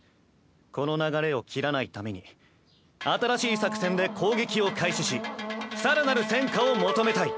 この流れを切らないために新しい作戦で攻撃を開始し更なる戦果を求めたい。